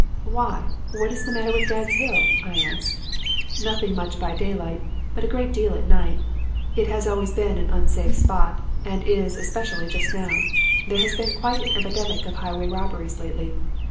"'Why, what is the matter with Gad's Hill?' I asked. "'Nothing much by daylight, but a great deal at night. It has always been an unsafe spot and is especially just now. There has been quite an epidemic of highway robberies lately.